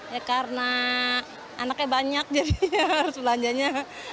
ya karena anaknya banyak jadinya harus belanjanya